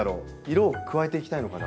色を加えていきたいのかな。